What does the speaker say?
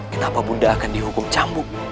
betapa bunda akan dihukum cambuk